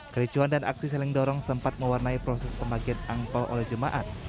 kericuan dan aksi saling dorong sempat mewarnai proses pemagian angpao oleh jemaat